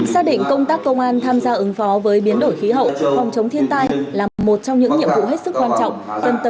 xác định công tác công an tham gia ứng phó với biến đổi khí hậu phòng chống thiên tai là một trong những nhiệm vụ hết sức quan trọng